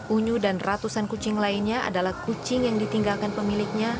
unyu dan ratusan kucing lainnya adalah kucing yang ditinggalkan pemiliknya